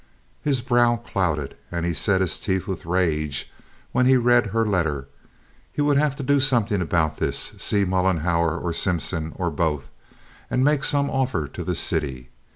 His brow clouded, and he set his teeth with rage when he read her letter. He would have to do something about this—see Mollenhauer or Simpson, or both, and make some offer to the city.